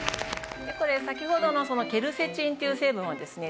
先ほどのケルセチンという成分をですね